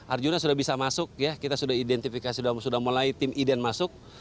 arjuna sudah bisa masuk ya kita sudah identifikasi sudah mulai tim iden masuk